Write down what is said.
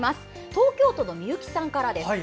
東京都のみゆきさんからです。